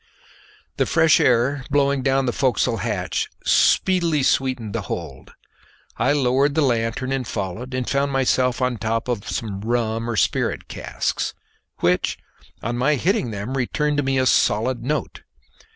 The fresh air blowing down the forecastle hatch speedily sweetened the hold. I lowered the lanthorn and followed, and found myself on top of some rum or spirit casks, which on my hitting them returned to me a solid note.